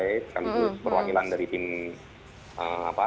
kami itu perwakilan dari tim apa